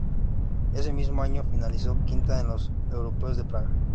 Ese mismo año finalizó quinta en los europeos de Praga.